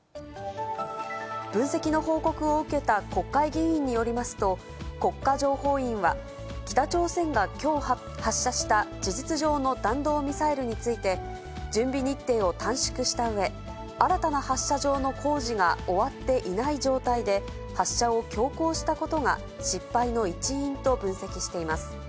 分析の報告を受けた国会議員によりますと、国家情報院は、北朝鮮がきょう発射した事実上の弾道ミサイルについて、準備日程を短縮したうえ、新たな発射場の工事が終わっていない状態で発射を強行したことが失敗の一因と分析しています。